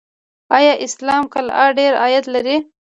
آیا اسلام قلعه ډیر عاید لري؟